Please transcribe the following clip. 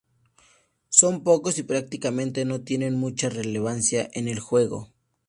Son pocos y prácticamente no tienen mucha relevancia en el juego.